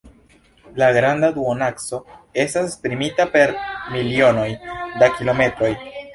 La granda duonakso estas esprimita per milionoj da kilometroj.